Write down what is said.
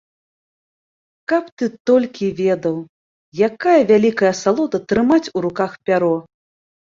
Каб ты толькі ведаў, якая вялікая асалода трымаць у руках пяро.